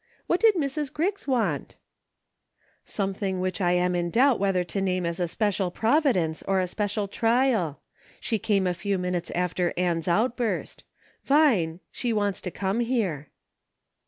What did Mrs. Griggs want ?"" Something which I am in doubt whether to name as a special providence, or a special trial ; she came a few minutes after Ann's outburst. Vine, she wants to come here."